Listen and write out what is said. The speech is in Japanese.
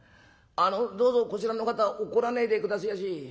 あのどうぞこちらの方怒らねえで下せえやし。